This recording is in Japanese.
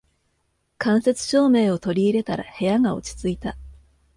間接照明を取り入れたら部屋が落ち着いた